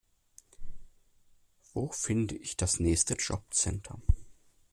Wo finde ich das nächste Jobcenter?